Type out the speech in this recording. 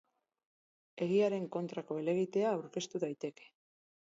Epaiaren kontrako helegitea aurkeztu daiteke.